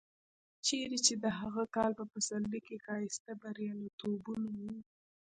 چېرې چې د هغه کال په پسرلي کې ښایسته بریالیتوبونه و.